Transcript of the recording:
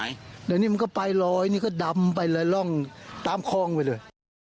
เดือนนี้มันก็ไปร้อยนี่ก็ดำไปเลยล่องตามคลองไป